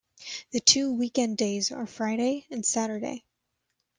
The two weekend days are Friday and Saturday.